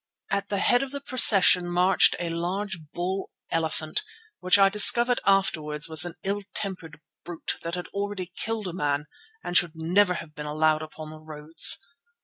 At the head of the procession marched a large bull elephant, which I discovered afterwards was an ill tempered brute that had already killed a man and should never have been allowed upon the roads.